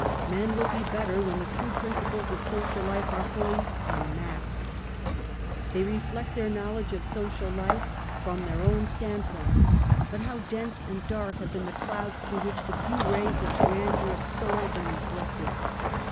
Men will be better when the true principles of social life are fully unmasked. They reflect their knowledge of social life from their own standpoint, but how dense and dark have been the clouds through which the few rays of grandeur of soul have been reflected.